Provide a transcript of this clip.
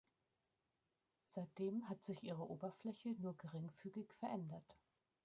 Seitdem hat sich ihre Oberfläche nur geringfügig verändert.